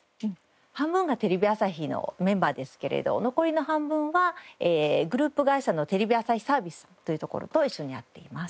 半分がテレビ朝日のメンバーですけれど残りの半分はグループ会社のテレビ朝日サービスさんというところと一緒にやっています。